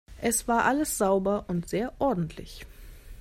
Es war alles sauber und sehr ordentlich!